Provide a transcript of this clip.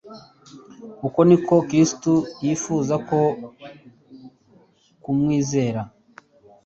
Uko niko Kristo yifuza ko kumwizera.